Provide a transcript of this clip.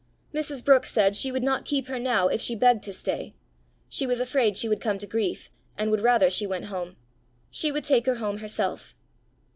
Mrs. Brookes said she would not keep her now if she begged to stay; she was afraid she would come to grief, and would rather she went home; she would take her home herself.